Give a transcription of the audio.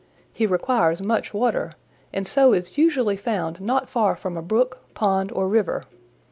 He requires much water and so is usually found not far from a brook, pond or river.